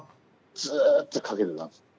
ずっとかけてたんです。